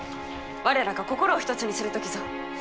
我らが心を一つにする時ぞ。